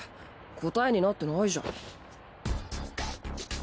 答えになってないじゃん。